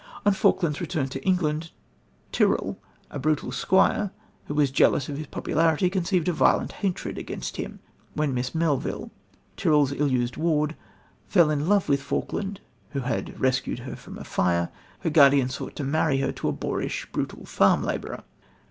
On Falkland's return to England, Tyrrel, a brutal squire who was jealous of his popularity, conceived a violent hatred against him. When Miss Melville, Tyrrel's ill used ward, fell in love with Falkland, who had rescued her from a fire, her guardian sought to marry her to a boorish, brutal farm labourer.